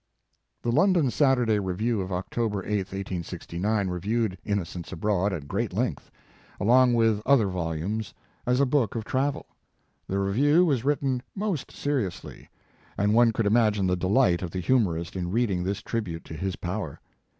The London Saturday Review of Octo ber 8, 1869, reviewed " Innocents Abroad" at great length, along with other volumes, as a book of travel. The review was written most seriously, and one could imagine the delight of the humorist in reading this tribute to his power.